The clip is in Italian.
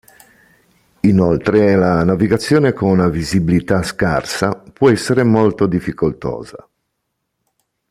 Inoltre la navigazione con una visibilità scarsa può essere molto difficoltosa.